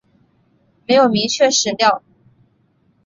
没有明确史料